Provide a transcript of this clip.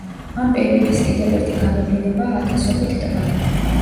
ამ პერიოდის კიდევ ერთი გამოვლინებაა ათასობით ტბა.